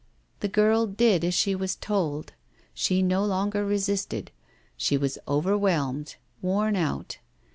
The girl did as she was told; she no longer resisted; she was overwhelmed, worn out.